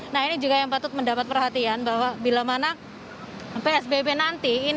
nah ini juga yang patut mendapat perhatian bahwa bila mana psbb nanti